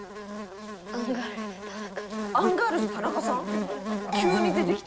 アンガールズ田中さん！？